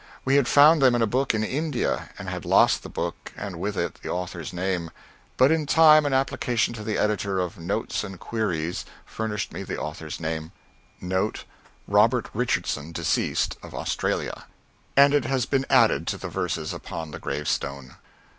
We had found them in a book in India, but had lost the book and with it the author's name. But in time an application to the editor of "Notes and Queries" furnished me the author's name, and it has been added to the verses upon the gravestone.